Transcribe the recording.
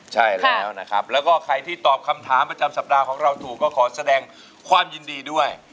ใช่แล้วนะครับแล้วก็ใครที่ตอบคำถามประจำสัปดาห์ของเราถูกก็ขอแสดงความยินดีด้วย